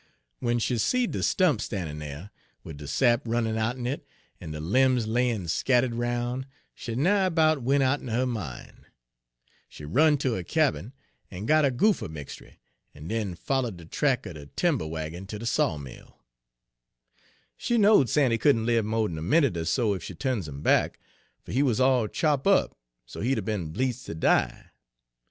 W'en she seed de stump standin' dere, wid de sap runnin' out'n it, en de limbs layin' scattered roun', she nigh 'bout went out'n her min'. She run ter her cabin, en got her goopher mixtry, en den follered de track er de timber waggin ter de sawmill. She knowed Sandy couldn' lib mo' d'n a minute er so ef she turns him back, fer he wuz all chop' up so he 'd 'a' be'n bleedst ter die.